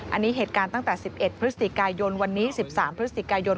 อันนี้เหตุการณ์ตั้งแต่๑๑พฤศจิกายนวันนี้๑๓พฤศจิกายน